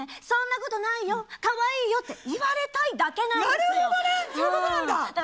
「そんなことないよかわいいよ」って言われたいだけなんですよ。